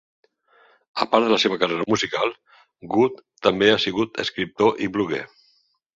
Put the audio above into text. A part de la seva carrera musical, Good també ha sigut escriptor i bloguer.